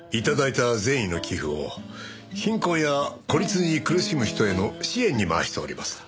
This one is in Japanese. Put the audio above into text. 頂いた善意の寄付を貧困や孤立に苦しむ人への支援に回しております。